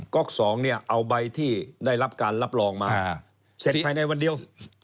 ๊อก๒เนี่ยเอาใบที่ได้รับการรับรองมาเสร็จภายในวันเดียว